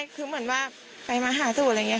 คือเหมือนว่าไปมาหาสูตรอะไรอย่างนี้